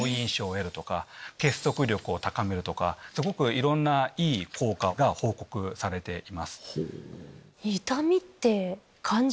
すごくいろんないい効果が報告されています。